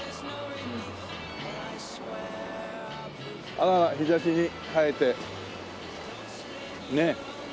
あらら日差しに映えてねえ。